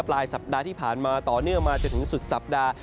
ปลายสัปดาห์ที่ผ่านมาต่อเนื่องมาจนถึงสุดสัปดาห์